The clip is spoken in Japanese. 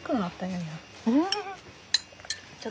うん。